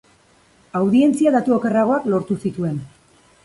Audientzia datu okerragoak lortu zituen.